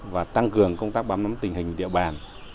và tăng cường công tác bám nắm tình hình địa bàn